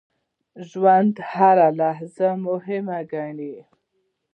ژوندي هره لحظه مهمه ګڼي